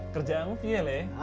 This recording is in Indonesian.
kerjaanmu fiel ya